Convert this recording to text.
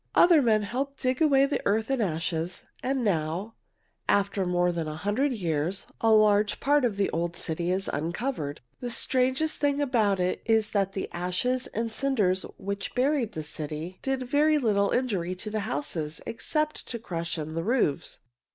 Other men helped dig away the earth and ashes, and now, after more than a hundred years, a large part of the old city is uncovered. The strangest thing about it is that the ashes and cinders which buried the city did very little injury to the houses, except to crush in the roofs.